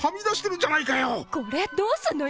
「これ、どうすんのよ」。